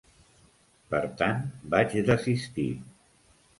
Per tant, vaig desistir.